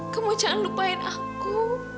kamu jangan lupain aku